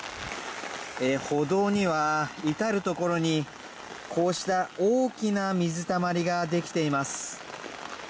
歩道には至る所にこうした大きな水たまりが出来ています。